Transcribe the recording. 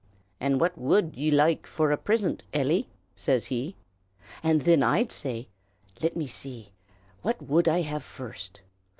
"'And what wud ye loike for a prisint, Eily?' says he. "And thin I'd say lit me see! what wud I have first?